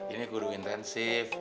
ini guru intensif